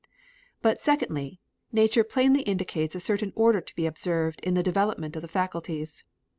But, secondly, nature plainly indicates a certain order to be observed in the development of the faculties.